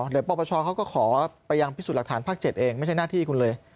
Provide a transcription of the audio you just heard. เดี๋ยวปปชเขาก็ขอไปยังพิสูจน์หลักฐานภาค๗เองไม่ใช่หน้าที่คุณเลย